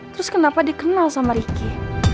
terus kenapa dikenal sama ricky